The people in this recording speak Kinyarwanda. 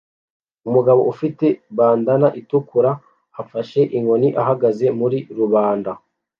Umugabo ufite bandanna itukura afashe inkoni ahagaze muri rubanda